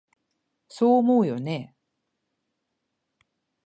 そう思うよね？